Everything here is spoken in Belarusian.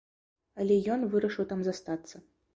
Але ён вырашыў там застацца.